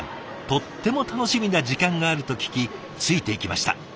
とっても楽しみな時間があると聞きついていきました。